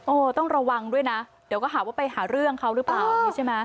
ต้องระวังด้วยนะเดี๋ยวก็หาว่าไปหาเรื่องเขาหรือเปล่าอย่างนี้ใช่ไหม